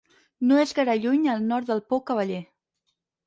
No és gaire lluny al nord del Pou Cavaller.